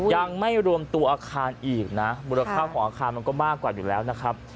ยังไม่รวมตัวอาคารอีกนะมูลค่าของอาคารมันก็มากกว่าอยู่แล้วนะครับ